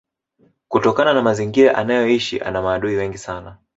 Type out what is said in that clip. kutokana na mazingira anayoishi ana maadui wengi sana